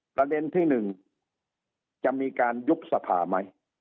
ประเด็นที่๑จะมีการยุบสภาไหม